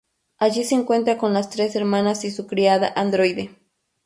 Allí se encuentra con las tres hermanas y su criada androide.